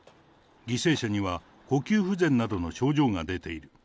犠牲者には、呼吸不全などの症状が出ている。